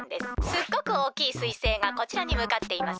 すっごくおおきいすいせいがこちらにむかっています。